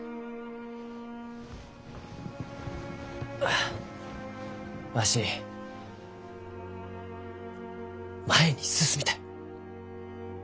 あわし前に進みたい。